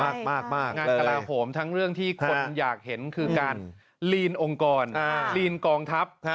งานกระลาโหมทั้งเรื่องที่คนอยากเห็นคือการลีนองค์กรลีนกองทัพ